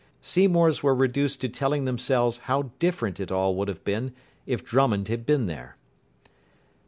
Seymour's were reduced to telling themselves how different it all would have been if Drummond had been there.